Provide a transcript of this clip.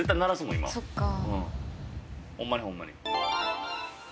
ホンマにホンマに。